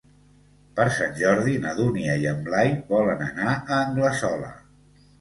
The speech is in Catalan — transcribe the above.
Per Sant Jordi na Dúnia i en Blai volen anar a Anglesola.